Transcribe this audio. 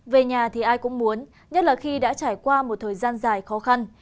về nhà thì ai cũng muốn nhất là khi đã trải qua một thời gian dài khó khăn